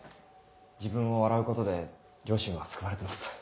自分を笑うことで両親は救われてます。